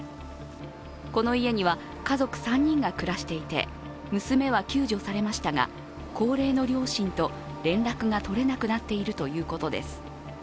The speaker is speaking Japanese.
この家には家族３人が暮らしていて娘は救助されましたが、高齢の両親と連絡が取れなくなっているということです。